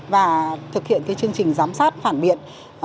và thực hiện chương trình giám sát phản biện